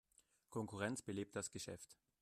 Konkurrenz belebt das Geschäft.